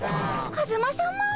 カズマさま。